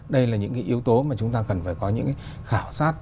đây là những yếu tố mà chúng ta cần phải có những khảo sát